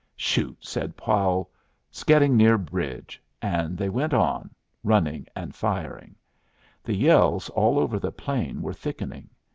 "Shoot!" said Powell. "'S getting near bridge," and they went on, running and firing. The yells all over the plain were thickening.